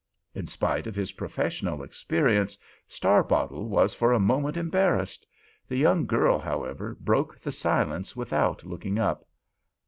In spite of his professional experience, Starbottle was for a moment embarrassed. The young girl, however, broke the silence without looking up.